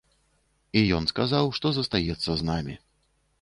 І ён сказаў, што застаецца з намі.